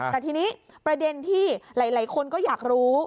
แต่ทีนี้ประเด็นที่หลายคนก็อยากรู้